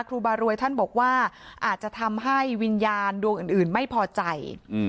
ครูบารวยท่านบอกว่าอาจจะทำให้วิญญาณดวงอื่นไม่พอใจ